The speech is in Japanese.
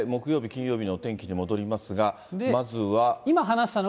さて木曜日、金曜日のお天気に戻りますが、まずは。